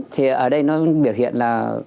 thì ở đây nó biểu hiện là